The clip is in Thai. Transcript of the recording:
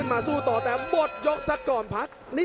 โอ้โหไม่พลาดกับธนาคมโดโด้แดงเขาสร้างแบบนี้